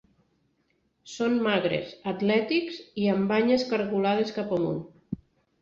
Són magres, atlètics i amb banyes cargolades cap amunt.